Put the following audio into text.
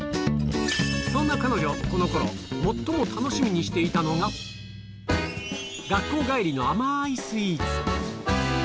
そんな彼女、このころ、最も楽しみにしていたのが、学校帰りの甘いスイーツ。